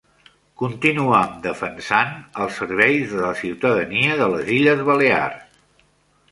Continuam defensant els serveis de la ciutadania de les Illes Balears.